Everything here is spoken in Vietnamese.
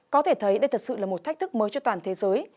có thể thấy đây thật sự là một thách thức mới cho toàn thế giới